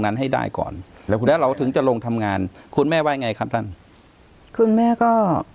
นั้นให้ได้ก่อนแล้วคุณแล้วเราถึงจะลงทำงานคุณแม่ว่าไงครับท่านคุณแม่ก็